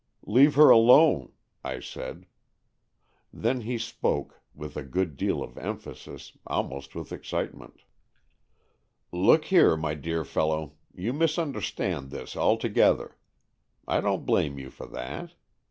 Leave her alone," I said. Then he spoke, with a good deal of emphasis, almost with excitement. " Look here, my dear fellow, you mis understand this altogether. I don't blame you for that.